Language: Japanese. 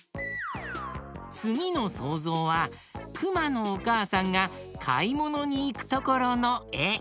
つぎのそうぞうはくまのおかあさんがかいものにいくところのえ。